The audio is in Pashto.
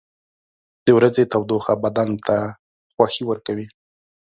• د ورځې تودوخه بدن ته خوښي ورکوي.